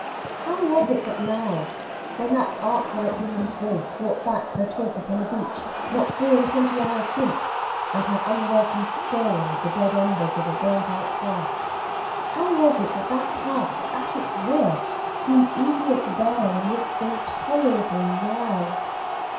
How was it that now, when that Arkwright woman's voice brought back her talk upon the beach, not four and twenty hours since, and her unwelcome stirring of the dead embers of a burned out past how was it that that past, at its worst, seemed easier to bear than this intolerable now?